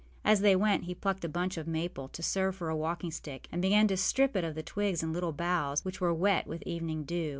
As they went, he plucked a branch of maple to serve for a walking stick, and began to strip it of the twigs and little boughs, which were wet with evening dew.